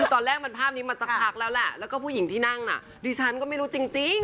ตอนแรกภาพนี้มันตะลักละล่ะก็ผู้หญิงที่นั่งดีฉันก็ไม่รู้จริง